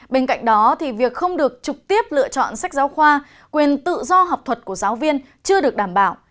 bên cạnh đó thì việc không được trực tiếp lựa chọn sách giáo khoa quyền tự do học thuật của giáo viên chưa được đảm bảo